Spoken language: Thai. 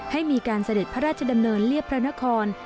ให้มีการเสด็จพระราชดำเนินเรียบพระนคร